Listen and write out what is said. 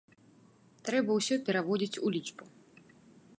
Трэба ўсё пераводзіць у лічбу.